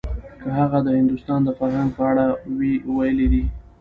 که هغه د هندوستان د فرهنګ په اړه وی ويلي دي.